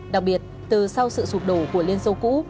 đặc biệt từ sau sự sụp đổ của liên xô cũ